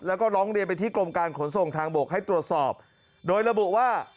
แล้วก็ร้องเรียนไปที่กรมการขนส่งทางบกให้ตรวจสอบโดยระบุว่า